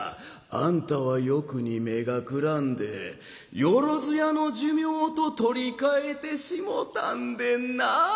あんたは欲に目がくらんで万屋の寿命と取り替えてしもたんでんなあ。